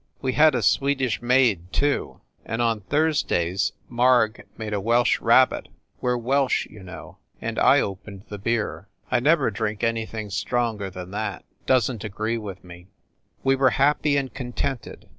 We had a Swedish maid, too, and on Thursdays Marg made a Welsh rabbit, we re Welsh, you know, and I opened the beer. I never drink anything stronger than that Doesn t agree with me. We were happy and contented.